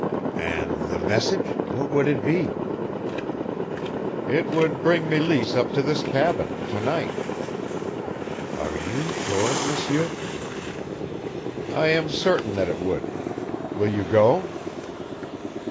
"And the message what would it be?" "It would bring Meleese up to this cabin to night." "Are you sure, M'seur?" "I am certain that it would. Will you go?"